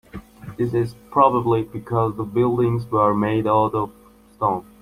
This is probably because the buildings were made out of stone.